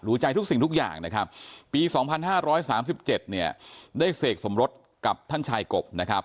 รู้ใจทุกสิ่งทุกอย่างนะครับปี๒๕๓๗เนี่ยได้เสกสมรสกับท่านชายกบนะครับ